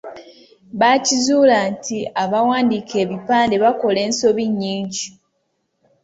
Baakizuula nti abawandiika ebipande bakola ensobi nnyingi.